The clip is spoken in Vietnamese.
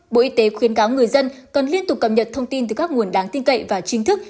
bộ y tế khuyến cáo người dân cần liên tục cập nhật thông tin từ các nguồn đáng tin cậy và chính thức